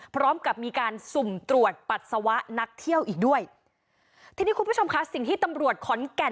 พร้อมกับมีการสุ่มตรวจปัสสาวะนักเที่ยวอีกด้วยทีนี้คุณผู้ชมค่ะสิ่งที่ตำรวจขอนแก่น